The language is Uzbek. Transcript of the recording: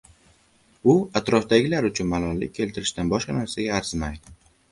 u atrofdagilar uchun malollik keltirishdan boshqa narsaga arzimaydi.